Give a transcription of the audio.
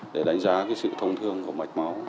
để đánh giá sự thông thương của mạch máu